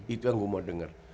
itu yang gue mau dengar